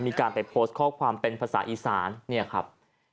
มีการไปโพสต์ข้อความเป็นภาษาอีสานเนี่ยครับ